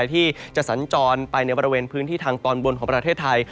ที่จะสัญจรไปในบริเวณพื้นที่ทางตอนบนของประเทศไทย